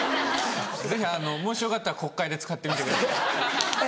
ぜひもしよかったら国会で使ってみてください。